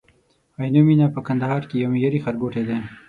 عینومېنه په کندهار کي یو معیاري ښارګوټی دی